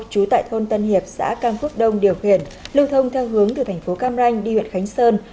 chú tại thôn tân hiệp xã cang phước đông điều khiển lưu thông theo hướng từ tp cam ranh đi huyện khánh sơn